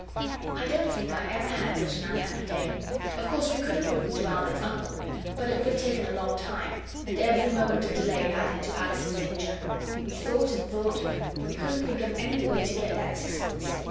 I don't think I ever had such an unhappy day. Of course we could have written to Albert's uncle, but it would have taken a long time, and every moment of delay added to Alice's danger. We thought and thought, but we couldn't think of any way to get that sixpence.